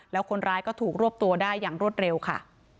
แล้วคนร้ายก็ถูกรวบตัวได้อย่างรวดเร็วค่ะ